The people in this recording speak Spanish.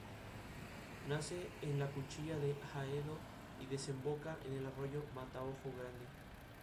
Su último espectáculo tuvo que terminarlo antes de tiempo por encontrarse mal.